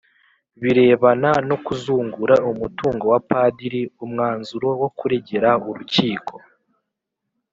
birebana no kuzungura umutungo wa Padiri umwanzuro wo kuregera urukiko